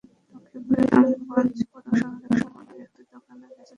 লক্ষ্মীপুরের রামগঞ্জ পৌর শহরে খাবারের একটি দোকানে গ্যাসের সিলিন্ডার থেকে আগুন লেগেছে।